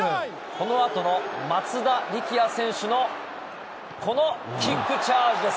この後の松田力也選手のこのキックチャージです。